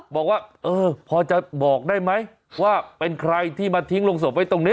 บอกว่าเออพอจะบอกได้ไหมว่าเป็นใครที่มาทิ้งลงศพไว้ตรงนี้